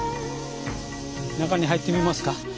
中に入ってみますか？